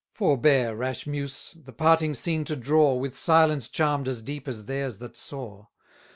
Forbear, rash muse! the parting scene to draw, With silence charm'd as deep as theirs that saw!